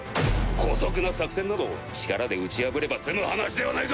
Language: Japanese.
姑息な作戦など力で打ち破れば済む話ではないか！